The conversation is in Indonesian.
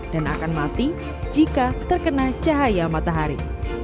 dan akan mati jika terkena cahaya matahari